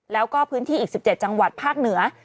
แล้วก็พื้นที่อีก๑๗จังหวัดภาคเหนือ